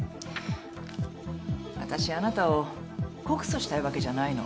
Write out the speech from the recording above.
私あなたを告訴したいわけじゃないの。